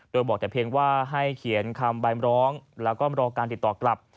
โดยบอกแต่เพียงว่าให้เขียนคำใบร้องแล้วก็รอการติดต่อกลับ